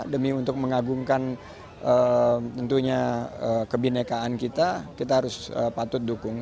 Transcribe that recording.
demi untuk mengagumkan tentunya kebinekaan kita kita harus patut dukung